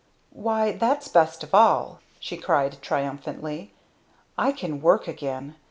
"Why that's best of all!" she cried triumphantly. "I can Work again!